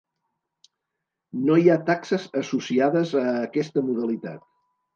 No hi ha taxes associades a aquesta modalitat.